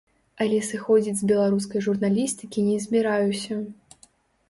Але сыходзіць з беларускай журналістыкі не збіраюся.